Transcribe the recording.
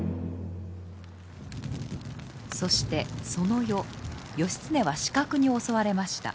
そしてその夜義経は刺客に襲われました。